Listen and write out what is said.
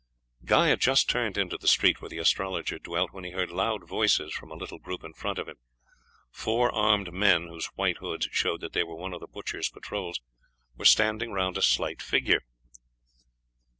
Guy had just turned into the street where the astrologer dwelt when he heard loud voices from a little group in front of him. Four armed men, whose white hoods showed that they were one of the butchers' patrols, were standing round a slight figure.